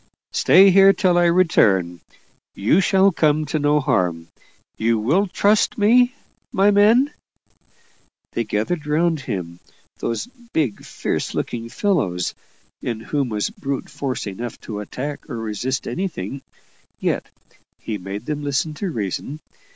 Stay here till I return you shall come to no harm. You will trust me, my men?" They gathered round him those big, fierce looking fellows, in whom was brute force enough to attack or resist anything yet he made them listen to reason.